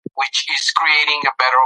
د انسان اصلي ماهیت ټولنیز دی.